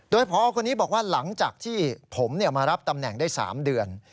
โดยพอคนนี้บอกว่าหลังจากที่ผมมารับตำแหน่งได้๓เดือน